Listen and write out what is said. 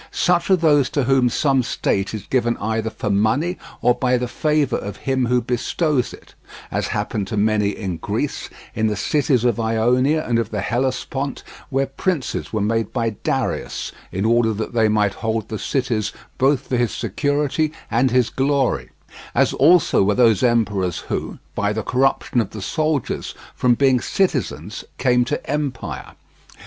Such are those to whom some state is given either for money or by the favour of him who bestows it; as happened to many in Greece, in the cities of Ionia and of the Hellespont, where princes were made by Darius, in order that they might hold the cities both for his security and his glory; as also were those emperors who, by the corruption of the soldiers, from being citizens came to empire.